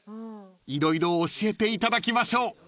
［色々教えていただきましょう］